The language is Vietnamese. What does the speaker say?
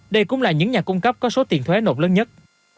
đây cũng là những nhà cung cấp có số tiền thuế nộp lớn nhất